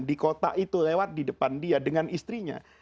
di kota itu lewat di depan dia dengan istrinya